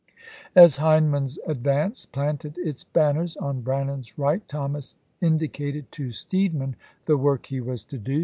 As Hindman's advance planted its banners on Brannan's right, Thomas indicated to Steedman the work he was to do.